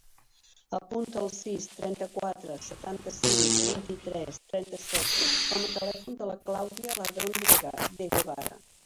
Apunta el sis, trenta-quatre, setanta-cinc, vint-i-tres, trenta-set com a telèfon de la Clàudia Ladron De Guevara.